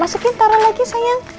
masukin taruh lagi sayang